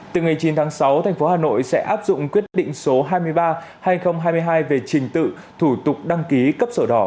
từ ngày chín tháng sáu thành phố hà nội sẽ áp dụng quyết định số hai mươi ba hai nghìn hai mươi hai về trình tự thủ tục đăng ký cấp sổ đỏ